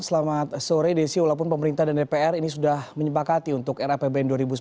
selamat sore desi walaupun pemerintah dan dpr ini sudah menyepakati untuk rapbn dua ribu sembilan belas